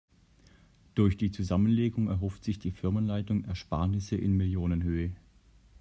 Durch die Zusammenlegung erhofft sich die Firmenleitung Ersparnisse in Millionenhöhe.